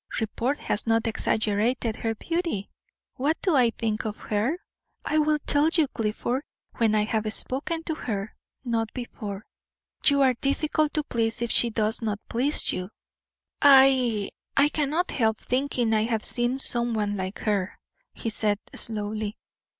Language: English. Report has not exaggerated her beauty?" "What do I think of her? I will tell you, Clifford, when I have spoken to her, not before." "You are difficult to please if she does not please you." "I I cannot help thinking I have seen some one like her," he said, slowly.